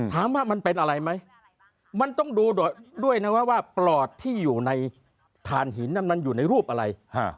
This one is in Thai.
ถามว่ามันเป็นอะไรไหมมันต้องดูด้วยนะว่าปลอดที่อยู่ในฐานหินนั้นมันอยู่ในรูปอะไร